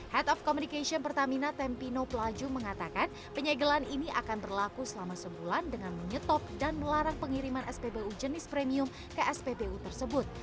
head of communication pertamina tempino pelaju mengatakan penyegelan ini akan berlaku selama sebulan dengan menyetop dan melarang pengiriman spbu jenis premium ke spbu tersebut